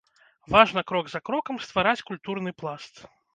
Важна крок за крокам ствараць культурны пласт.